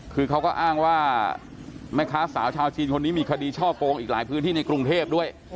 คือเขาก็อ้างว่าแม่ค้าสาวชาวจีนคนนี้มีคดีช่อโกงอีกหลายพื้นที่ในกรุงเทพด้วย